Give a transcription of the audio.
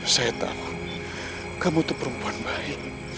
saya tahu kamu itu perempuan baik